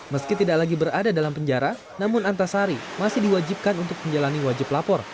meski tidak lagi berada dalam penjara namun antasari masih diwajibkan untuk menjalani wajib lapor